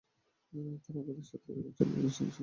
তারা তাদের সামনে টেনে নিয়ে চলছে হরমুজানকে।